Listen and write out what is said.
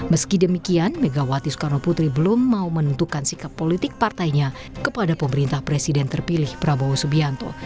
meski demikian megawati soekarno putri belum mau menentukan sikap politik partainya kepada pemerintah presiden terpilih prabowo subianto